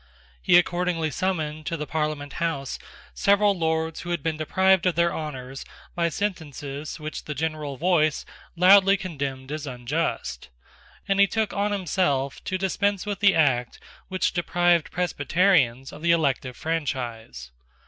He accordingly summoned to the parliament house several Lords who had been deprived of their honours by sentences which the general voice loudly condemned as unjust; and he took on himself to dispense with the Act which deprived Presbyterians of the elective franchise.